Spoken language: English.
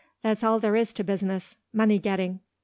That's all there is to business money getting."